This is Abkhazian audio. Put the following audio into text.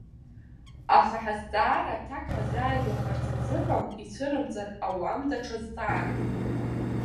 Аха ҳазҵаара аҭак ҳазааигәахарц азыҳәан, ицәырымҵыр ауам даҽа зҵаарак.